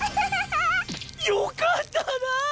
よかったなぁ！